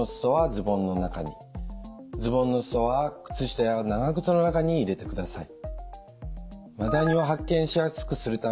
ズボンのすそは靴下や長靴の中に入れてください。